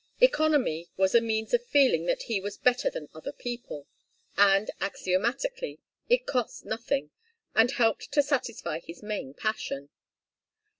Economy was a means of feeling that he was better than other people, and, axiomatically, it cost nothing, and helped to satisfy his main passion.